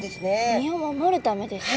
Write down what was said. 身を守るためですか？